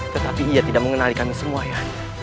tetapi ia tidak mengenali kami semua ya